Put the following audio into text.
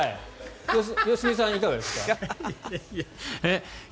良純さん、いかがですか？